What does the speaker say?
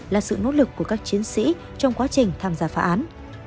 là sự nỗ lực của các chiến sĩ trong quá trình tham gia phá án